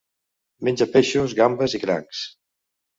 Menja peixos, gambes i crancs.